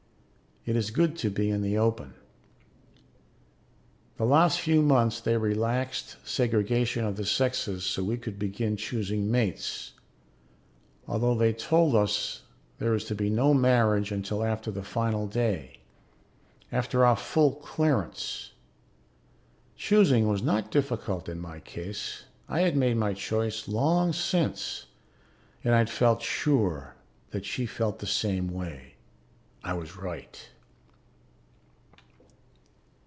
It is good to be in the open. The last few months they relaxed segregation of the sexes so we could begin choosing mates, although they told us there is to be no marriage until after the final day, after our full clearance. Choosing was not difficult in my case. I had made my choice long since and I'd felt sure that she felt the same way; I was right.